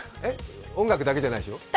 音楽だけじゃないでしょ？